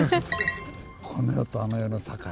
この世とあの世の境。